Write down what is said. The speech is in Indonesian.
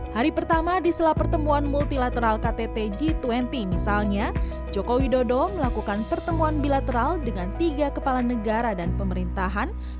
hari pertama di sela pertemuan multilateral ktt g dua puluh misalnya joko widodo melakukan pertemuan bilateral dengan tiga kepala negara dan pemerintahan